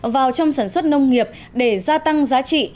vào trong sản xuất nông nghiệp để gia tăng giá trị